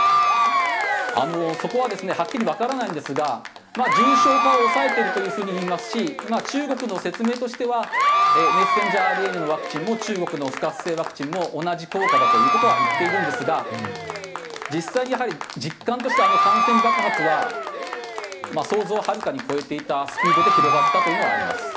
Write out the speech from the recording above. そこはですねはっきりわからないんですがまあ重症化を抑えてるという風にいいますし中国の説明としてはメッセンジャーＲＮＡのワクチンも中国の不活化ワクチンも同じ効果だという事はいっているんですが実際にやはり実感としてはあの感染爆発は想像をはるかに超えていたスピードで広がったというのはあります。